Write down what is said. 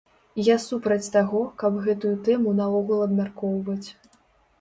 Я супраць таго, каб гэтую тэму наогул абмяркоўваць.